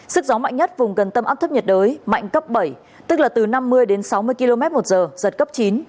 sức gió mạnh nhất vùng gần tâm áp thấp nhiệt đới mạnh cấp bảy tức là từ năm mươi đến sáu mươi km một giờ giật cấp chín